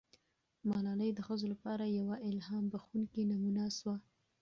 ملالۍ د ښځو لپاره یوه الهام بښونکې نمونه سوه.